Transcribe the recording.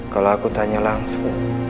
kalau aku tanya langsung